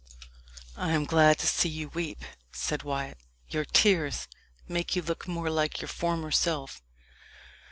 "I am glad to see you weep," said Wyat; "your tears make you look more like your former self."